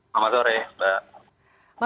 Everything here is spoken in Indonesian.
selamat sore mbak